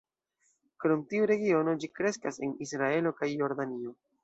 Krom tiu regiono, ĝi kreskas en Israelo kaj Jordanio.